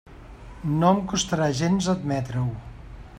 No em costarà gens admetre-ho.